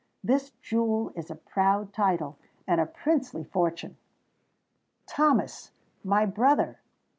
This jewel is a proud title and a princely fortune——" "Thomas!—my brother!"